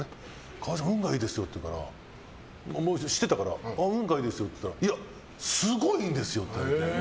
川合さん運がいいですよって言うから知ってたから運いいですよって言ったらいや、すごいいいですよって。